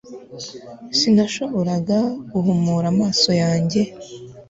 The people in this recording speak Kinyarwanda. Sinashoboraga guhumura amaso yanjye